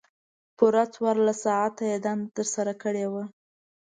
پوره څوارلس ساعته یې دنده ترسره کړې وه.